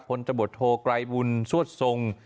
ตบทโทไกรบุญสวดทรง